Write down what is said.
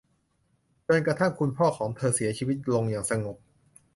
จนกระทั่งคุณพ่อของเธอเสียชีวิตลงอย่างสงบ